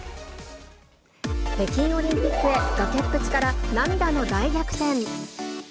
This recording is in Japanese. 北京オリンピックへ、崖っぷちから涙の大逆転。